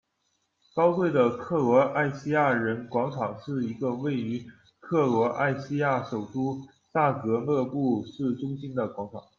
高贵的克罗埃西亚人广场是一个位于克罗埃西亚首都萨格勒布市中心的广场。